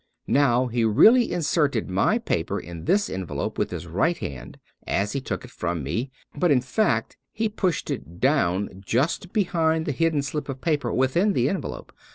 Now he really inserted my paper in this en velope with his right hand as he took it from me ; but in fact, he pushed it down just behind the hidden slip of paper within the envelope.